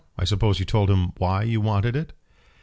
I suppose you told him why you wanted it."